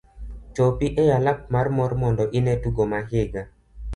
Chopi e alap mar mor mondo ine tugo ma higa.